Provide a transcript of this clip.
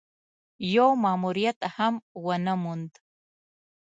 يو ماموريت هم ونه موند.